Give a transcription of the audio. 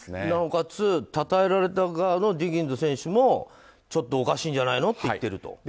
なおかつたたえられた側のディギンズ選手もちょっとおかしいんじゃないのと言っていると。